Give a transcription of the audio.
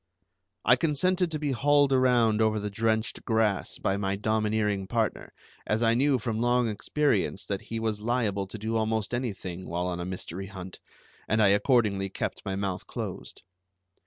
I consented to be hauled around over the drenched grass by my domineering partner, as I knew from long experience that he was liable to do almost anything while on a mystery hunt, and I accordingly kept my mouth closed.